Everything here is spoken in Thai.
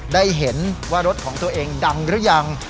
ได้เห็นว่ารถของตัวเองดังหรือยัง